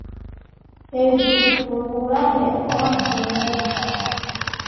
hejuru gufungura hepfo hafunzwe